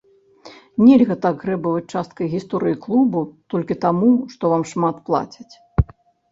Нельга так грэбаваць часткай гісторыі клубу толькі таму, што вам шмат плацяць.